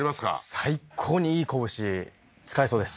最高にいいコブシ使えそうです